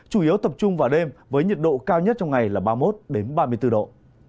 chủ yếu tập trung vào đêm với nhiệt độ cao nhất trong ngày là ba mươi một ba mươi bốn độ